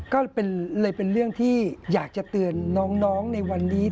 ก็เลยเป็นเรื่องที่อยากจะเตือนน้องในวันนี้